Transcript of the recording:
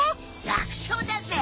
楽勝だぜ。